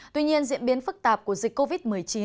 tuy nhiên diễn biến phức tạp của dịch covid một mươi chín